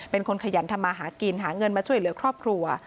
เป็นคนขยันทำมาหากินหาเงินมาช่วยเหลือครอบครัว